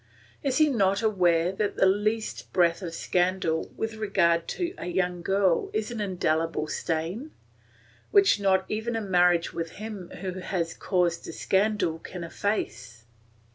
Is he not aware that the least breath of scandal with regard to a young girl is an indelible stain, which not even marriage with him who has caused the scandal can efface?